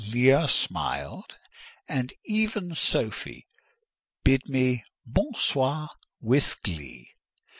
Leah smiled, and even Sophie bid me "bon soir" with glee.